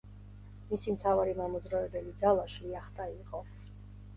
მისი მთავარი მამოძრავებელი ძალა შლიახტა იყო.